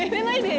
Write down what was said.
はい。